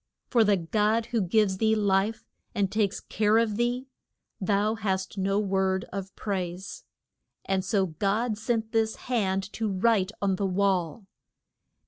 For the God who gives thee life and takes care of thee, thou hast no word of praise. And so God sent this hand to write on the wall.